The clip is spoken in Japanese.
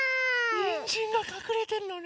にんじんがかくれてるのね。